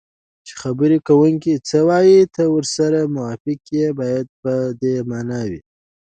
چې خبرې کوونکی څه وایي ته ورسره موافق یې باید په دې مانا وي